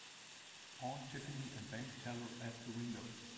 Aunt Tiffany and bank teller at the window.